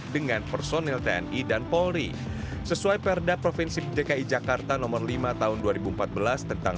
dengan personil tni dan polri sesuai perda provinsi dki jakarta nomor lima tahun dua ribu empat belas tentang